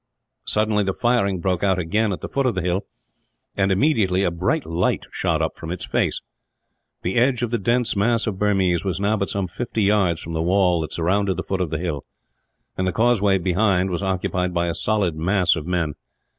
Suddenly the firing broke out again at the foot of the hill and, immediately, a bright light shot up from its face. The edge of the dense mass of Burmese was now but some fifty yards from the wall that surrounded the foot of the hill, and the causeway behind was occupied by a solid mass of men.